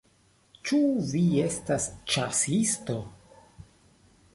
Ĉu vi estas ĉasisto?